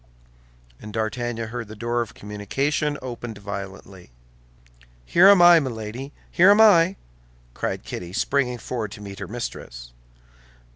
And D'Artagnan heard the door of communication opened violently. "Here am I, Milady, here am I!" cried Kitty, springing forward to meet her mistress.